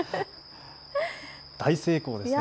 大成功ですね。